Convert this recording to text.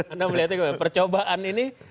anda melihat percobaan ini